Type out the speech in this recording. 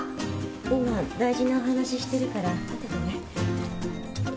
今大事なお話してるからあとでね。